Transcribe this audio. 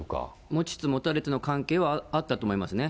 持ちつ持たれつの関係はあったと思いますね。